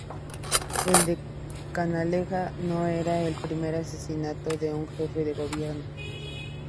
El de Canalejas no era el primer asesinato de un jefe de gobierno.